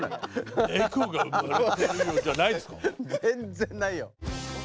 全然ないよ。